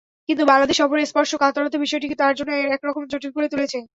কিন্তু বাংলাদেশ সফরের স্পর্শকাতরতা বিষয়টিকে তাঁর জন্য একরকম জটিল করে তুলেছে।